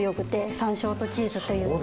山椒とチーズというのが。